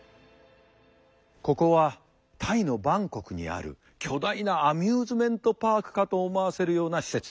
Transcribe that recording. ここはタイのバンコクにある巨大なアミューズメントパークかと思わせるような施設。